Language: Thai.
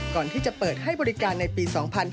ก่อนที่จะเปิดให้บริการในปี๒๕๕๙